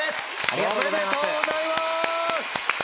おめでとうございます！